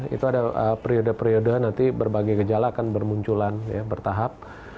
itu ada periode periode nanti berbagai gejala akan bermunculan bertahap